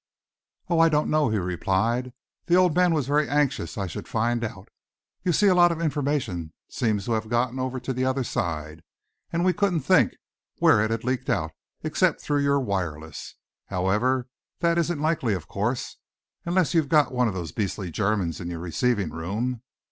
"Oh, I don't know," he replied. "The old man was very anxious I should find out. You see, a lot of information seems to have got over on the other side, and we couldn't think where it had leaked out, except through your wireless. However, that isn't likely, of course, unless you've got one of these beastly Germans in your receiving room.